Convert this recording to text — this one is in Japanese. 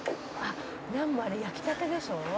「ナンもあれ焼きたてでしょう？」